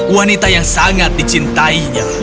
wanita yang sangat dicintainya